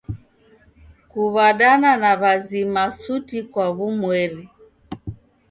Kuw'adana na w'azima suti kwa w'umweri.